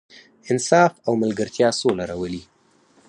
انصاف او ملګرتیا سوله راولي.